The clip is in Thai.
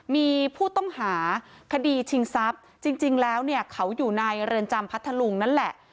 มีผู้ต้องหาคดีชิงทรัพย์จริงแล้วเนี่ยเขาอยู่ในเรือนจำพัทธลุงนั่นแหละ